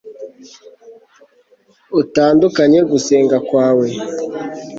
utandukanye gusenga kwawe